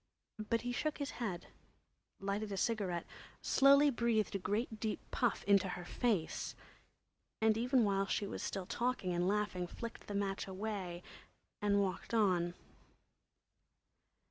But he shook his head, lighted a cigarette, slowly breathed a great deep puff into her face, and even while she was still talking and laughing, flicked the match away and walked on.